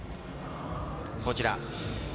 こちら。